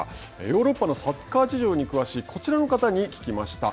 ヨーロッパのサッカー事情に詳しいこちらの方に聞きました。